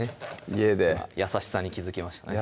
家で優しさに気付きましたね